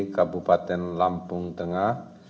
kabupaten lampung tengah